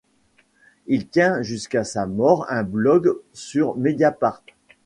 Il tient jusqu'à sa mort un blog sur Mediapart.